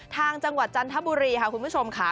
ทางจังหวัดจันทบุรีค่ะคุณผู้ชมค่ะ